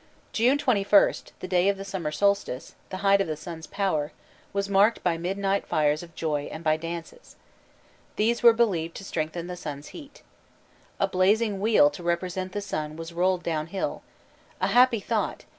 June 21st, the day of the summer solstice, the height of the sun's power, was marked by midnight fires of joy and by dances. These were believed to strengthen the sun's heat. A blazing wheel to represent the sun was rolled down hill. "A happy thought.